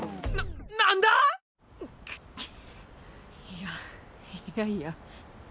いやいやいや。